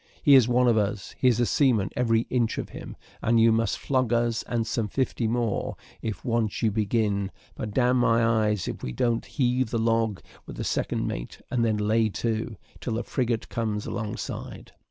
He is one of us; he is a seamen every inch of him, and you must flog us, and some fifty more, if once you begin; for d n my eyes if we don't heave the log with the second mate, and then lay to till the frigate comes along side."